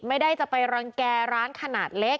ไม่ได้จะไปรังแก่ร้านขนาดเล็ก